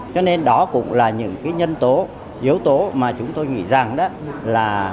cho nên đó cũng là những nhân tố yếu tố mà chúng tôi nghĩ rằng là